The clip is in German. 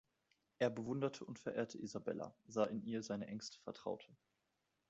Er bewunderte und verehrte Isabella, sah in ihr seine engste Vertraute.